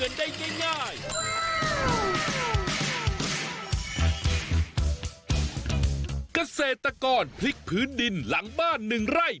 เกษตรกรพลิกพื้นดินหลังบ้าน๑ไร่